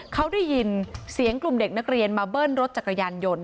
เขาได้ยินเสียงกลุ่มเด็กนักเรียนมาเบิ้ลรถจักรยานยนต์